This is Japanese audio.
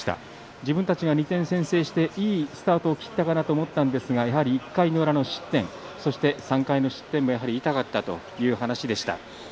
自分たちが２点先制していいスタートを切ったかなと思ったんですが、やはり１回の裏の失点、３回の失点も痛かったという話でした。